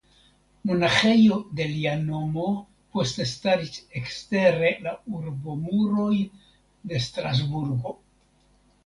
Monaĥejo de lia nomo poste staris ekstere la urbomuroj de Strasburgo.